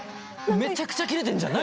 めちゃくちゃキレてんじゃん何？